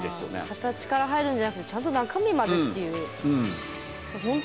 形から入るんじゃなくてちゃんと中身までっていう。ね。